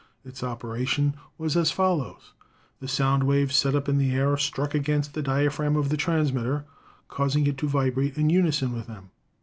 Its operation was as follows : The sound waves set up in the air struck against the diaphragm of the transmitter, causing it to vibrate in unison with them.